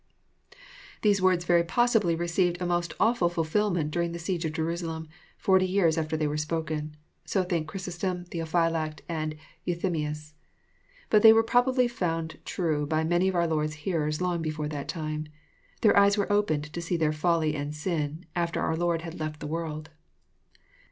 These words very possibly received a most awftil fulfilment during the siege of Jerusalem, forty years after they were spoken. So think Ohrysostom, Theophylact, and Euthymins. But they were probably found true by many of our Lord's hearers long before that time. Their eyes were opened to see their folly and sin, after our Lord had left the world.